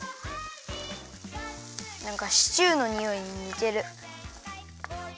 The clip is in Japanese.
なんかシチューのにおいににてる。